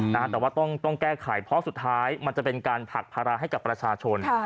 แต่ว่าต้องแก้ไขเพราะสุดท้ายมันจะเป็นการผลักภาระให้กับประชาชน